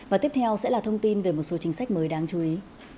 và tiếp theo sẽ là thông tin về một số chính sách mới đáng chú ý